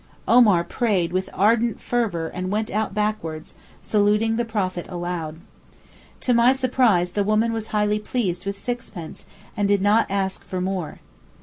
Omar prayed with ardent fervour and went out backwards, saluting the Prophet aloud. To my surprise the woman was highly pleased with sixpence, and did not ask for more.